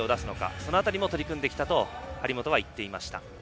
その辺りも取り組んできたと張本は言っていました。